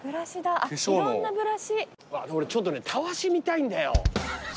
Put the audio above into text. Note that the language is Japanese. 俺ちょっとねたわし見たいんだよ。